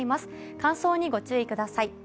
乾燥にご注意ください。